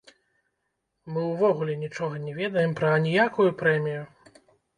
Мы ўвогуле нічога не ведаем пра аніякую прэмію.